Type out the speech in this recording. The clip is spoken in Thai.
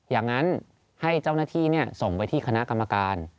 อย่างนั้นให้เจ้าหน้าที่ส่งไปที่คณะกรรมการ